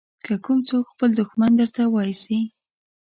که کوم څوک خپل دښمن درته واېسي.